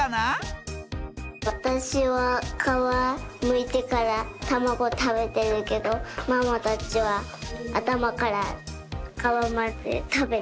わたしはかわむいてからたまごたべてるけどママたちはあたまからかわまでたべてる。